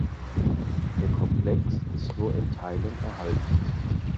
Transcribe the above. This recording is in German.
Der Komplex ist nur in Teilen erhalten.